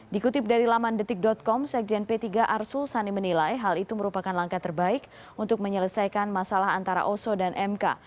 dikutip dari laman detik com sekjen p tiga arsul sani menilai hal itu merupakan langkah terbaik untuk menyelesaikan masalah antara oso dan mk